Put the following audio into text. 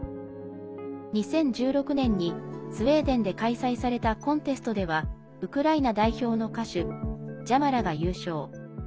２０１６年にスウェーデンで開催されたコンテストではウクライナ代表の歌手ジャマラが優勝。